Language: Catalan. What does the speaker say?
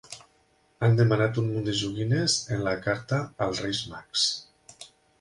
Han demanat un munt de joguines en la carta als Reis mags.